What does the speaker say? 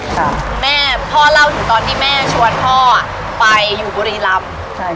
คุณแม่พ่อเล่าถึงตอนที่แม่ชวนพ่ออ่ะไปอยู่บุรีรำใช่